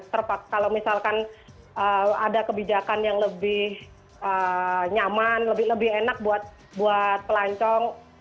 terpaksa kalau misalkan ada kebijakan yang lebih nyaman lebih enak buat pelancong